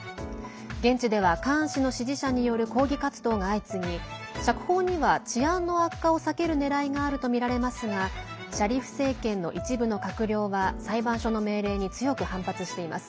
現地ではカーン氏の支持者による抗議活動が相次ぎ釈放には治安の悪化を避けるねらいがあるとみられますがシャリフ政権の一部の閣僚は裁判所の命令に強く反発しています。